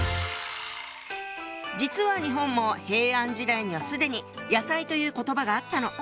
実は日本も平安時代には既に「野菜」という言葉があったの。